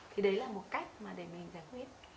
thì đấy là một cách để mình giải quyết